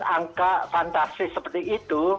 angka fantastis seperti itu